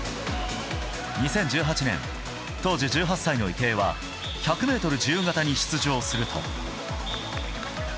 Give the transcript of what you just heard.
２０１８年、当時１８歳の池江は１００ｍ自由形に出場すると。